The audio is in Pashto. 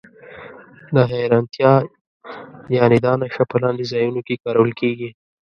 د حېرانتیا یا ندا نښه په لاندې ځایونو کې کارول کیږي.